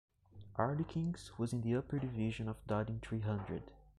Areley Kings was in the upper division of Doddingtree Hundred.